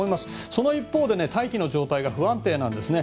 その一方で大気の状態が不安定なんですね。